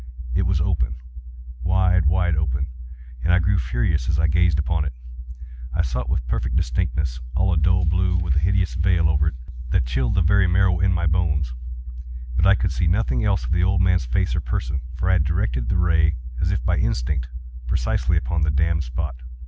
It was open—wide, wide open—and I grew furious as I gazed upon it. I saw it with perfect distinctness—all a dull blue, with a hideous veil over it that chilled the very marrow in my bones; but I could see nothing else of the old man's face or person: for I had directed the ray as if by instinct, precisely upon the damned spot.